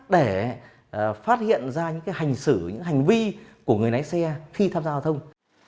để phát hiện ra những hành xử những hành vi của người lái xe khi tham gia giao thông